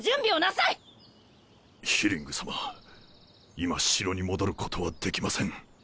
今城に戻ることはできません。